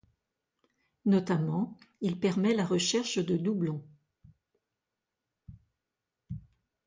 Notamment, il permet la recherche de doublons.